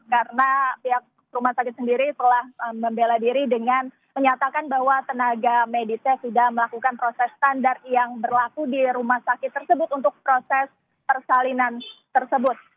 karena pihak rumah sakit sendiri telah membela diri dengan menyatakan bahwa tenaga medisnya sudah melakukan proses standar yang berlaku di rumah sakit tersebut untuk proses persalinan tersebut